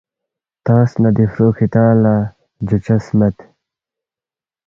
تنگس نہ دی فرُو کِھدانگ لہ جُوچس مید